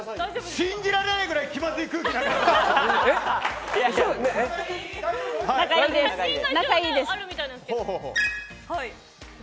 信じられないぐらい気まずい空気になってるんですけど。